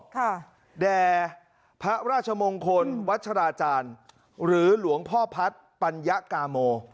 ค่ะแด่พระราชมงคลวัชราจารย์หรือหลวงพ่อพัฒน์ปัญญากาโม